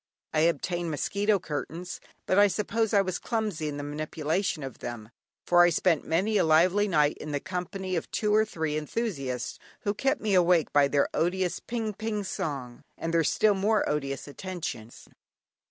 I obtained mosquito curtains, but I suppose I was clumsy in the manipulation of them, for I spent many a lively night in the company of two or three enthusiasts who kept me awake by their odious "ping ping" song, and their still more odious attentions.